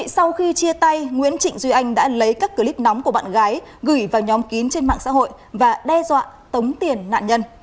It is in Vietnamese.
sau khi chia tay nguyễn trịnh duy anh đã lấy các clip nóng của bạn gái gửi vào nhóm kín trên mạng xã hội và đe dọa tống tiền nạn nhân